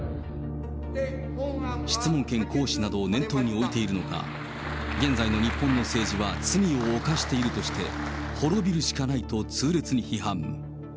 質問権行使などを念頭に置いているのか、現在の日本の政治は罪を犯しているとして、滅びるしかないと痛烈に批判。